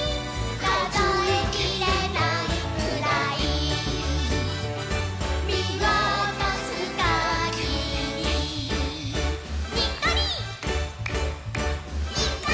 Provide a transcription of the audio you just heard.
「かぞえきれないくらいみわたすかぎり」「にっこり」「にっこり」